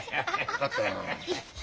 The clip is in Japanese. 分かったよ。